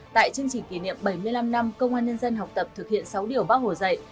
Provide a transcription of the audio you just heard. tại chương trình kỷ niệm bảy mươi năm năm công an nhân dân học tập thực hiện sáu điều bác hồ dạy